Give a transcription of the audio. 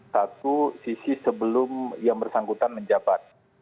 satu sisi sebelum yang bersangkutan menjabat